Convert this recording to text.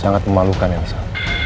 sangat memalukan ya nisa